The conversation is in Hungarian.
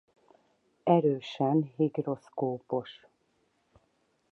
Erősen higroszkópos.